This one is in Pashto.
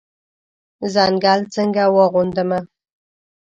ځنګل څنګه واغوندمه